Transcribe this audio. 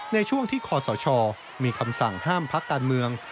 ในช่วงที่คอสชมีคำสั่งห้ามพักการเมือง